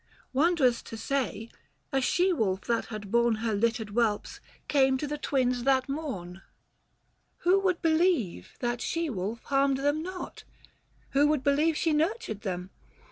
Wondrous to say, a she wolf that had borne Her littered whelps, came to the Twins that morn. Who would believe that she wolf harmed them not ? 430 Who would believe she nurtured them